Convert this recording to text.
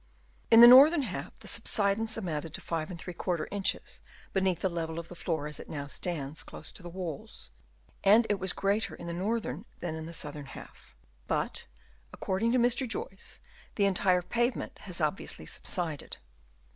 In the northern half, the sub sidence amounted to 5f inches beneath the level of the floor as it now stands close to the walls ; and it was greater in the northern than in the southern half; hut, according to Mr. Joyce, the entire pavement has obviously subsided.